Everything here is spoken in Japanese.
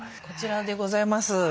こちらでございます。